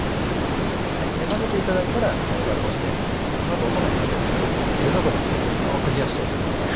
混ぜていただいたらラップをしてこの後そうめんにかけるので冷蔵庫で先によく冷やしておいてください。